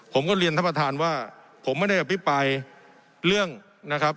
ผมก็เรียนท่านประธานว่าผมไม่ได้อภิปรายเรื่องนะครับ